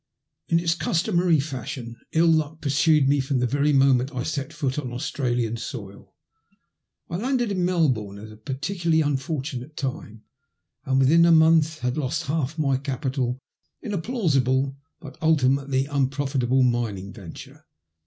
In its customary fashion ill luck pursued me from the very moment I set foot on Australian soil. I landed in Melbourne at a particularly unfortunate time, and within a month had lost half my capital in a plausible, but ultimately unprofitable, mining venture.